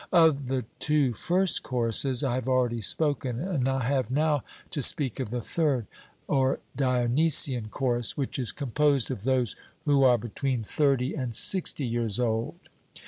Of the two first choruses I have already spoken, and I have now to speak of the third, or Dionysian chorus, which is composed of those who are between thirty and sixty years old.